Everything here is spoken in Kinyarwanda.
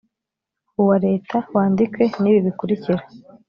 uwa leta wandikwe ni ibi bikurikira